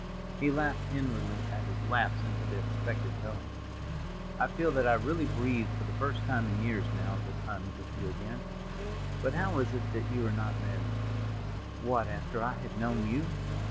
He laughed inwardly at his lapse into the expected tone. "I feel that I really breathe for the first time in years, now that I'm with you again. But how is it that you are not married?" "What, after I had known you?"